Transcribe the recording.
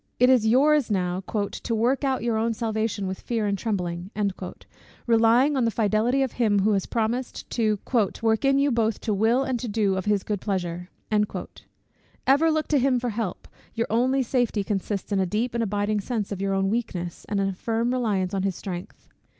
It is your's now "to work out your own salvation with fear and trembling," relying on the fidelity of him who has promised to "work in you both to will and to do of his good pleasure." Ever look to him for help: your only safety consists in a deep and abiding sense of your own weakness, and in a firm reliance on his strength.